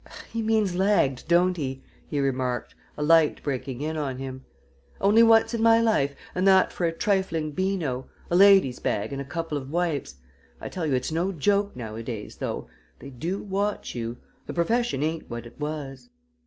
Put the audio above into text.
"He means lagged, don't he?" he remarked, a light breaking in on him. "Only once in my life and that for a trifling beano a lady's bag and a couple of wipes. I tell you it's no joke nowadays, though. They do watch you! The profession ain't what it was."